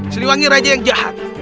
siliwangi raja yang jahat